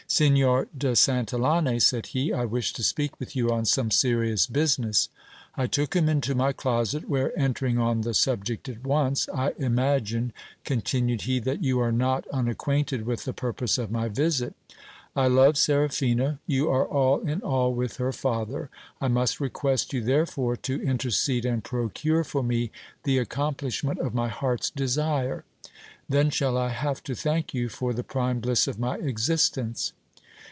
Signor de Santillane, said he, I wish to speak with you on some serious business. I took him into my closet, where entering on the subject at once, I imagine, con tinued he, that you are not unacquainted with the purpose of my visit : I love Seraphina ; you are all in all with her father ; I must request you therefore to intercede and procure for me the accomplishment of my heart's desire : then shall I have to thank you for the prime bliss of my existence.